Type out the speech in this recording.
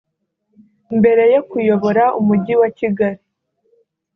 Mbere yo kuyobora Umujyi wa Kigali